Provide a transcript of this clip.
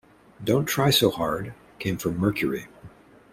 "Don't Try So Hard" came from Mercury.